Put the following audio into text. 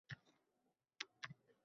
Ha, ovqating pishdimi